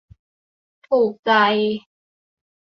ถูกใจ